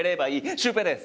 シュウペイです。